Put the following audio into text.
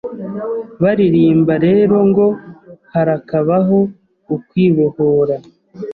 Baririmba rero ngo harakabaho ukwibohora,